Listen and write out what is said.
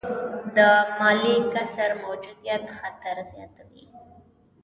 د مالي کسر موجودیت خطر زیاتوي.